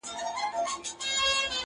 په خبرو کي خبري پيدا کيږي;